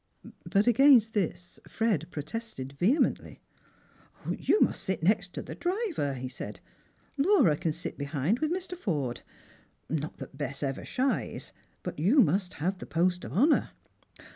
But against this Fred protested vehemently. "You must sit next the driver," he said; "La^ara din sit behind with Mr. Forde. Not that Bess ever shies, but you must have the post of honour."